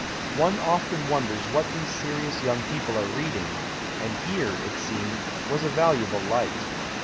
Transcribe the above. One often wonders what these serious young ])coj)le are reading, and here, it seemed, was a valuable light.